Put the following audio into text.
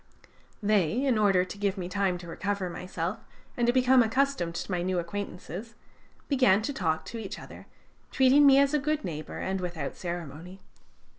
They, in order to give me time to recover myself and to become accustomed to my new acquaintances, began to talk to each other, treating me as a good neighbor, and without ceremony.